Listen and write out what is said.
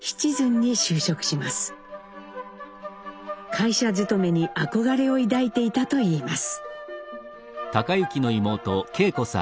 会社勤めに憧れを抱いていたといいます。